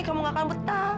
kamu nggak akan betah